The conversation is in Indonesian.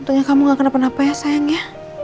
untungnya kamu gak kena penapa ya sayang ya